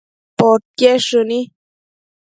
podquied shëni